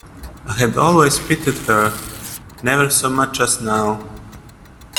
I had always pitied her, never so much as now.